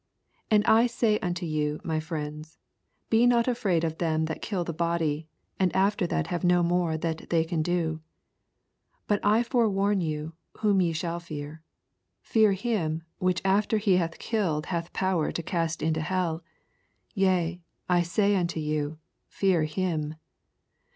4 And I sav unto you my friends. Be not afraid of them that kill the body, and after that have no more that they can do. 5 But I will forewarn you whom ve shall fear : Fear him, which atter he hath killed hath power to cast into hell ; yea, 1 say unto you, Fear him.